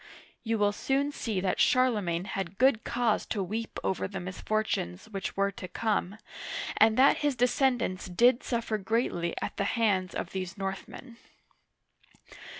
" You will soon see that Charle magne had good cause to weep over the misfortunes which were to come, and that his descendants did suffer greatly at the hands of these Northmen.